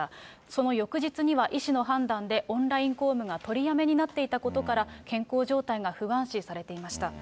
その翌日には、医師の判断でオンライン公務が取りやめになっていたことから、健康状態が不安視されていました。